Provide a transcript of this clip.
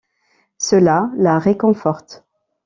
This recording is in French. Cela la réconforte.